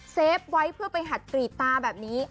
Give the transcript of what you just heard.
เซฟไว้ไปหัดกรีดตาแบบนี้